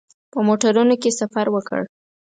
په موټرونو کې سفر وکړ.